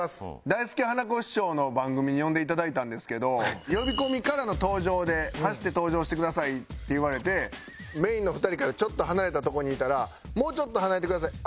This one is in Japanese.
大助花子師匠の番組に呼んでいただいたんですけど呼び込みからの登場で「走って登場してください」って言われてメインの２人からちょっと離れたとこにいたら「もうちょっと離れてください。